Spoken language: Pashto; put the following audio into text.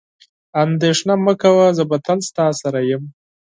اندېښنه مه کوه، زه به تل ستا سره وم.